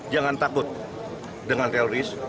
jangan takut dengan teroris